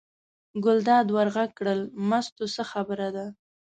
ګلداد ور غږ کړل: مستو څه خبره ده.